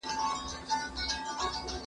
نجلۍ په خپله خوږه پښتو لهجه ډېره نازېدله.